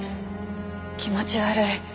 気持ち悪い。